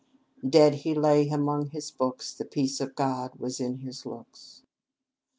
"Dead he lay among his books; The peace of God was in his looks."